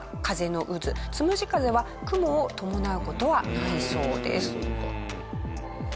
つむじ風は雲を伴う事はないそうです。